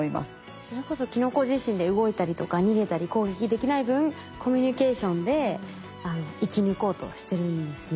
それこそキノコ自身で動いたりとか逃げたり攻撃できない分コミュニケーションで生き抜こうとしてるんですね。